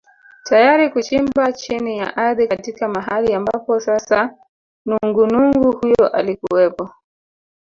Tayari kuchimba chini ya ardhi katika mahali ambapo sasa nungunungu huyo alikuwepo